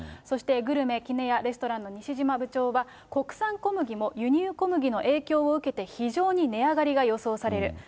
そしてグルメ杵屋レストランの西嶋部長は、国産小麦も輸入小麦の影響を受けて非常に値上がりが予想される。